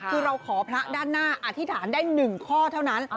คือเราขอพระด้านหน้าอธิษฐานได้๑ข้อเท่านั้น